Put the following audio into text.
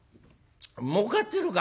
もうかってるか？」。